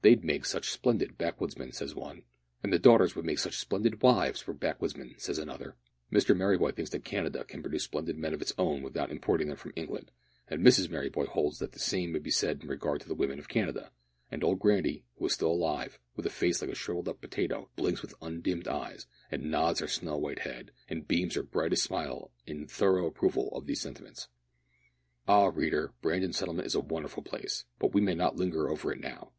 "They'd make such splendid backwoodsmen," says one. "And the daughters would make such splendid wives for backwoodsmen," says another. Mr Merryboy thinks that Canada can produce splendid men of its own without importing them from England, and Mrs Merryboy holds that the same may be said in regard to the women of Canada, and old granny, who is still alive, with a face like a shrivelled up potato, blinks with undimmed eyes, and nods her snow white head, and beams her brightest smile in thorough approval of these sentiments. Ah, reader! Brandon Settlement is a wonderful place, but we may not linger over it now.